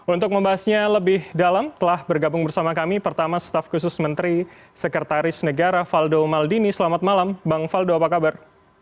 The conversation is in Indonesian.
untuk membahasnya lebih dalam telah bergabung bersama kami pertama staf khusus menteri sekretaris negara valdo maldini selamat malam bang faldo apa kabar